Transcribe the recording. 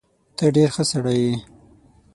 ته ډیر ښه سړی یې